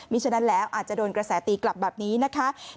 ฉะนั้นแล้วอาจจะโดนกระแสตีกลับแบบนี้นะคะ